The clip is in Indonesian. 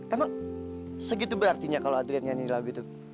emang segitu berartinya kalau adrian nyanyi lagu itu